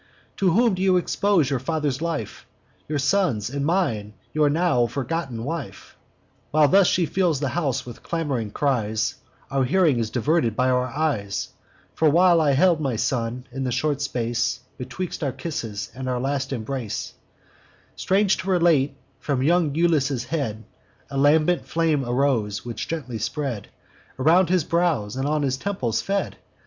To whom do you expose your father's life, Your son's, and mine, your now forgotten wife!' While thus she fills the house with clam'rous cries, Our hearing is diverted by our eyes: For, while I held my son, in the short space Betwixt our kisses and our last embrace; Strange to relate, from young Iulus' head A lambent flame arose, which gently spread Around his brows, and on his temples fed.